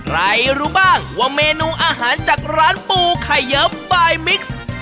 รู้บ้างว่าเมนูอาหารจากร้านปูไข่เยิ้มบายมิกซ์